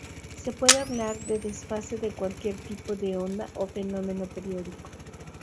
Se puede hablar de desfase de cualquier tipo de onda o fenómeno periódico.